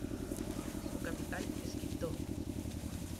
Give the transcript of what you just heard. Su capital es Quibdó.